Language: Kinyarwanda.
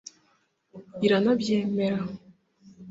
Iranabyemera